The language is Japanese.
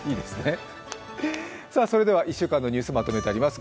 それでは１週間のニュースまとめてあります。